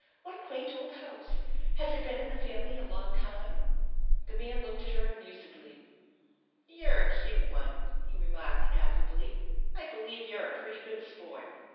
" What a quaint old house ! Has it been in the family a long time ?" The man looked at her amusedly. " You're a cute one !" he remarked affably. " I believe you're a pretty good sport!